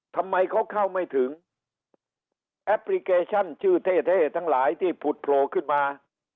ทำไมเขาเข้าไม่ถึงแอปพลิเคชันชื่อเท่เท่ทั้งหลายที่ผุดโผล่ขึ้นมา